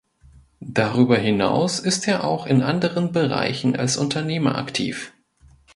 Darüber hinaus ist er auch in anderen Bereichen als Unternehmer aktiv.